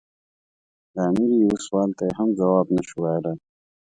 د امیر یوه سوال ته یې هم ځواب نه شو ویلای.